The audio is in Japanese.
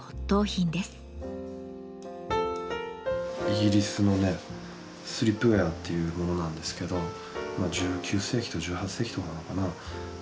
イギリスのねスリップウェアというものなんですけど１９世紀と１８世紀とかなのかな。